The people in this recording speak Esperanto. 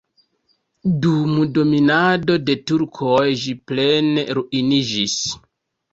Dum dominado de turkoj ĝi plene ruiniĝis.